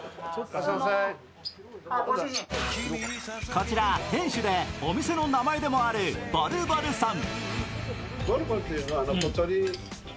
こちら、店主でお店の名前でもあるボルボルさん。